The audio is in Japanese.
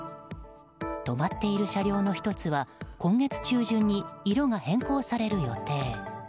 止まっている車両の１つは今月中旬に色が変更される予定。